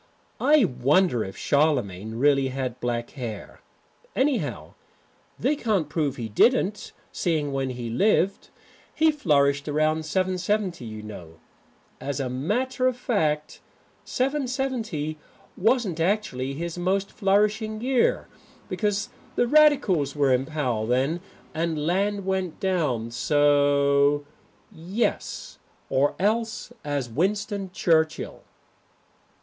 I wonder if Charlemagne really had black hair. Anyhow, they can't prove he didn't, seeing when he lived. He flourished about 770, you know. As a matter of fact 770 wasn't actually his most flourishing year because the Radicals were in power then and land went down so. Now 771 Yes. Or else as Winston Churchill.